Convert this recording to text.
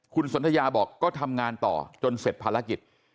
คุณสนทยาบอกก็ทำงานต่อจนเสร็จภารกิจ